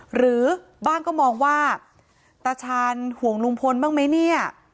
หรือบ้างก็มองว่าตาชาญห่วงลุงพลบ้างไหมเนี่ย